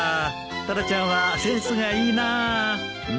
タラちゃんはセンスがいいなぁ。